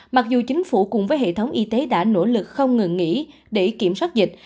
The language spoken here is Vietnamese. mặc dù chính phủ cùng với hệ thống y tế đã nỗ lực không ngừng nghỉ để kiểm soát dịch